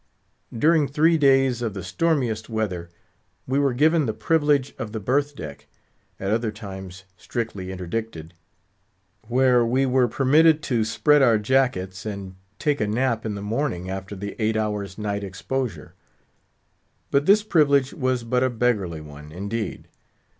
During three days of the stormiest weather, we were given the privilege of the berth deck (at other times strictly interdicted), where we were permitted to spread our jackets, and take a nap in the morning after the eight hours' night exposure. But this privilege was but a beggarly one, indeed.